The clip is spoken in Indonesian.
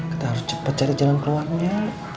kita harus cepat cari jalan keluarnya